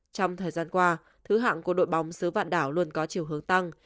trong thời gian qua thứ hạng của đội bóng xứ vạn đảo luôn có chiều hướng tăng